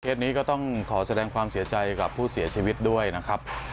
นี้ก็ต้องขอแสดงความเสียใจกับผู้เสียชีวิตด้วยนะครับ